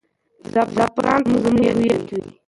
زعفران به زموږ هویت وي.